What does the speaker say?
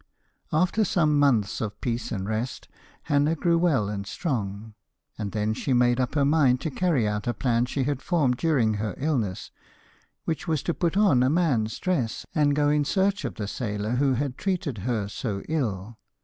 After some months of peace and rest, Hannah grew well and strong, and then she made up her mind to carry out a plan she had formed during her illness, which was to put on a man's dress, and go in search of the sailor who had treated her so ill.